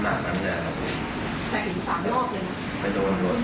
เพราะว่าไล่ผมกลับบ้านอะไรอย่างนี้